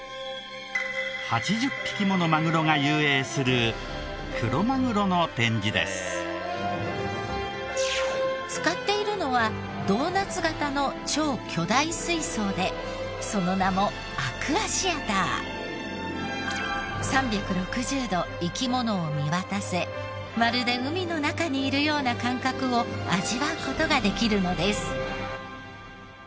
８０匹ものマグロが遊泳する使っているのはドーナツ形の超巨大水槽でその名も３６０度生き物を見渡せまるで海の中にいるような感覚を味わう事ができるのです。